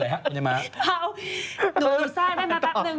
เฮ้าหนูอีซ่าได้ไหมสักนึง